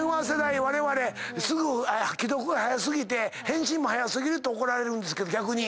われわれ既読が早過ぎて返信も早過ぎるって怒られるんですけど逆に。